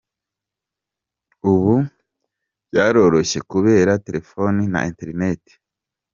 Ubu byaroroshye kubera telefoni na interneti.